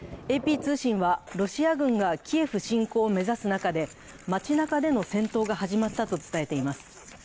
ＡＰ通信はロシア軍がキエフ侵攻を目指す中で街なかでの戦闘が始まったと伝えています。